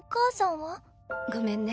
ごめんね。